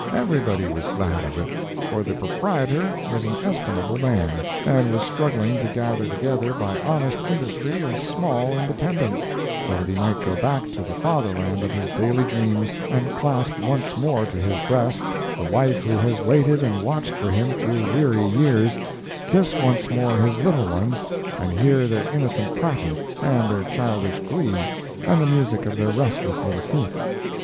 Everybody was glad of it, for the proprietor was an estimable man, and was struggling to gather together by honest industry a small independence, so that he might go back to the Fatherland of his daily dreams, and clasp once more to his breast the wife who has waited and watched for him through weary years, kiss once more his little ones, and hear their innocent prattle, and their childish glee, and the music of their restless little feet.